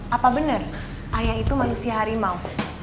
apa benar ayah itu manusia harimau